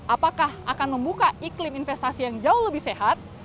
apakah akan membuka iklim investasi yang jauh lebih sehat